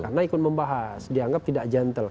karena ikut membahas dianggap tidak jantel